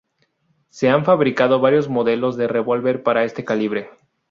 Se han fabricado varios modelos de revólver para este calibre.